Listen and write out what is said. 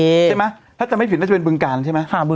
ใช่ไหมถ้าจำไม่ผิดน่าจะเป็นบึงกาลใช่ไหม